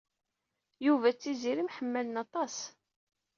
Yuba d Tiziri mḥemmalen aṭas.